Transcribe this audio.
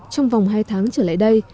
trong vòng hai tháng trở lại đây